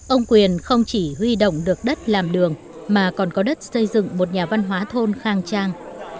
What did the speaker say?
ông quyền không chỉ huy động được đất làm đường mà còn có đất xây dựng một nhà văn hóa thôn khang trang